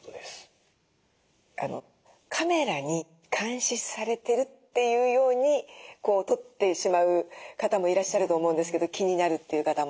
カメラに監視されてるっていうようにとってしまう方もいらっしゃると思うんですけど気になるっていう方も。